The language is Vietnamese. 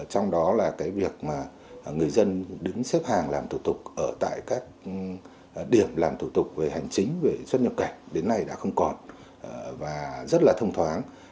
trong đó là cái việc mà người dân đứng xếp hàng làm thủ tục ở tại các điểm làm thủ tục về hành chính về xuất nhập cảnh đến nay đã không còn và rất là thông thoáng